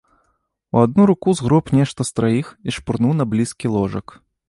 У адну руку згроб нешта з траіх і шпурнуў на блізкі ложак.